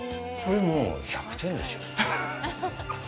これもう１００点でしょう。